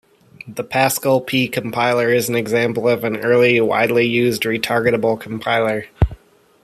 The Pascal P-compiler is an example of an early widely used retargetable compiler.